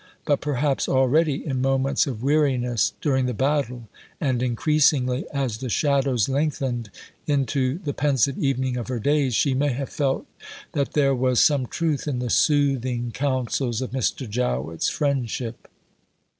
But perhaps already, in moments of weariness during the battle, and increasingly as the shadows lengthened into the pensive evening of her days, she may have felt that there was some truth in the soothing counsels of Mr. Jowett's friendship.